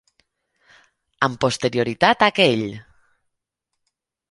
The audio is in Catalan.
Amb posterioritat a aquell!